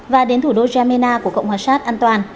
và đến thủ đô germana của cộng hòa sát